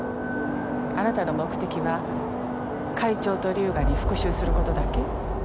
あなたの目的は会長と龍河に復讐する事だけ？